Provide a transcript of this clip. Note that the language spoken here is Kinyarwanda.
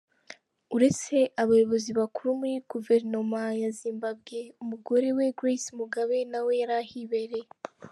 Uretse abayobozi bakuru muri guverinoma ya Zimbabwe, umugore we Grace Mugabe nawe yari ahibereye.